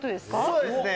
そうですね。